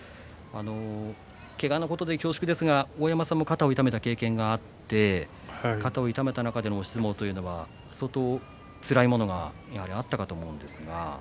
けがのことで恐縮ですが大山さんも肩を痛めた経験があって、肩を痛めた中での押し相撲というのは相当つらいものがそうですね